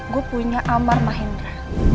gue punya amar mahendra